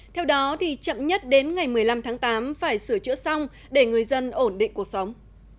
theo đó chậm nhất đến ngày một mươi năm tháng tám phải sửa chữa xong để người dân ổn định cuộc sống